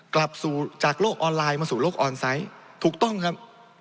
กลับสู่จากโลกออนไลน์มาสู่โลกออนไซต์ถูกต้องครับ